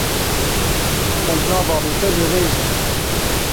Bejna bavê te dirêj e.